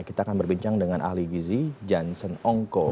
kita akan berbincang dengan ahli gizi johnson ongko